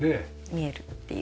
見えるっていう。